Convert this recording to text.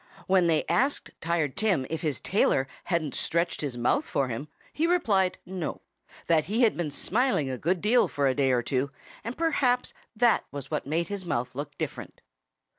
When they asked Tired Tim if his tailor hadn't stretched his mouth for him he replied no, that he had been smiling a good deal for a day or two, and perhaps that was what made his mouth look different.